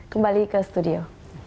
kembali ke studio